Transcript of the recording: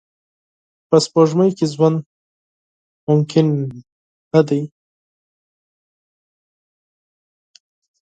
په سپوږمۍ کې ژوند ممکن نه دی